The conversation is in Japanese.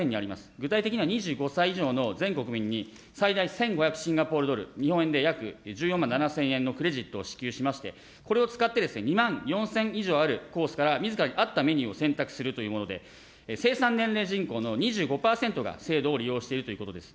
具体的には２５歳以上の全国民に最大１５００シンガポールドル、日本円で約１４万７０００円のクレジットを支給しまして、これを使って２万４０００以上あるコースからみずからに合ったメニューを選択するというもので、生産年齢人口の２５％が制度を利用しているということです。